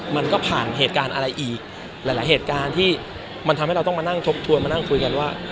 มันก็ผ่านเหตุการณ์อะไรอีกหลายเหตุการณ์ที่มันทำให้เราต้องมานั่งทบทวนมานั่งคุยกันว่า